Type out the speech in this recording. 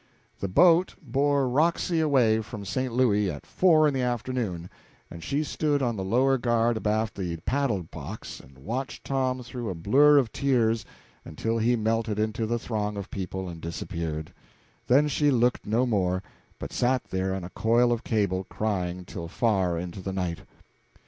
The boat bore Roxy away from St. Louis at four in the afternoon, and she stood on the lower guard abaft the paddle box and watched Tom through a blur of tears until he melted into the throng of people and disappeared; then she looked no more, but sat there on a coil of cable crying till far into the night.